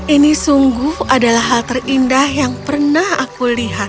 ini sungguh adalah hal terindah yang pernah aku lihat